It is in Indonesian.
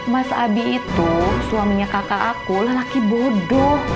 mas abi itu suaminya kakak aku lelaki bodoh